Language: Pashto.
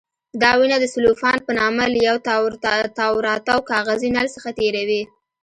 دا وینه د سلوفان په نامه له یو تاوراتاو کاغذي نل څخه تېروي.